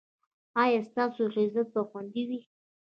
ایا ستاسو عزت به خوندي وي؟